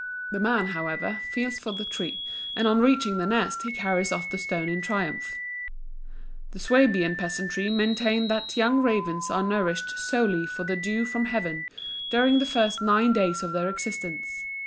The man, however, feels for the tree, and on reaching the nest, he carries off the stone in triumph. The Swabian peasantry maintain that young ravens are nourished solely by the dew from heaven during the first nine days of their existence.